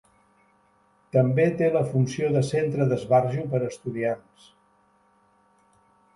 També té la funció de centre d'esbarjo per a estudiants.